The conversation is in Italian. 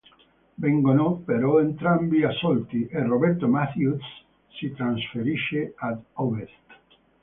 Vengono però entrambi assolti, e Robert Matthews si trasferisce ad ovest.